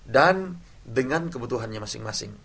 dan dengan kebutuhannya masing masing